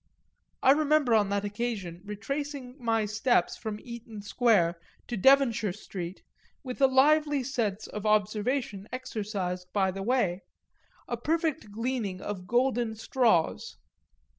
I remember on that occasion retracing my steps from Eaton Square to Devonshire Street with a lively sense of observation exercised by the way, a perfect gleaning of golden straws.